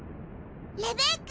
レベッカ！